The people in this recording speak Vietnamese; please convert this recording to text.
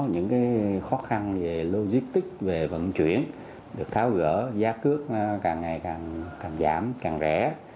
những khó khăn về logistics về vận chuyển được tháo gỡ giá cước càng ngày càng giảm càng rẻ